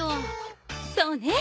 そうね。